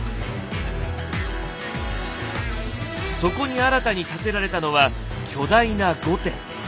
そこに新たに建てられたのは巨大な御殿。